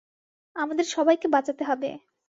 আমাদের সবাইকেকে বাঁচাতে হবে।